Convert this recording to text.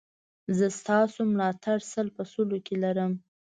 زه ستاسو ملاتړ سل په سلو کې لرم